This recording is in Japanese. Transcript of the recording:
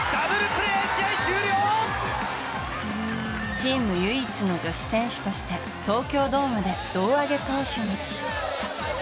チーム唯一の女子選手として東京ドームで胴上げ投手に。